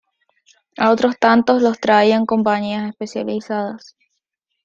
A otros tantos los traían compañías especializadas.